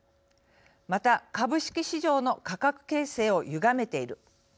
また株式市場の価格形成をゆがめている。